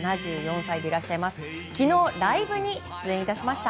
７４歳でいらっしゃいます。